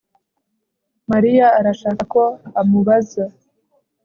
Mariya arashaka ko umubaza